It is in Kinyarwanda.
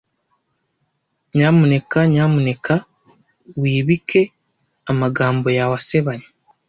Nyamuneka nyamuneka wibike amagambo yawe asebanya.